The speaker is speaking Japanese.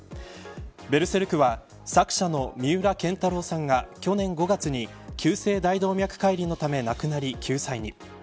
ベルセルクは作者の三浦建太郎さんが去年５月に急性大動脈解離のため亡くなり休載に。